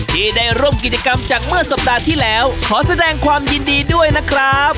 ที่ได้ร่วมกิจกรรมจากเมื่อสัปดาห์ที่แล้วขอแสดงความยินดีด้วยนะครับ